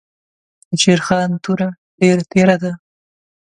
دشېرخان توره ډېره تېره ده.